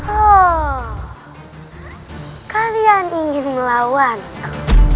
oh kalian ingin melawan aku